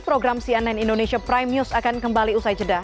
program cnn indonesia prime news akan kembali usai jeda